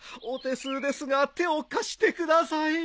お手数ですが手を貸してください。